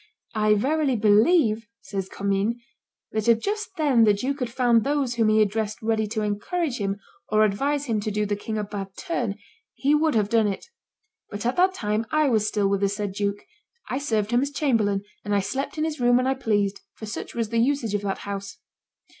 "I verily believe," says Commynes, "that if just then the duke had found those whom he addressed ready to encourage him, or advise him to do the king a bad turn, he would have done it; but at that time I was still with the said duke; I served him as chamberlain, and I slept in his room when I pleased, for such was the usage of that house.